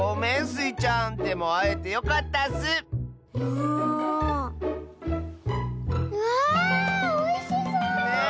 うわあおいしそう！